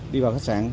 đi vào khách sạn